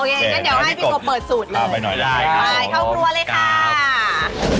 โอเคเดี๋ยวให้พี่กกอบเปิดสูตรเลยใช่ข้าวครัวเลยค่ะโอเค